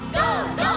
「ゴー！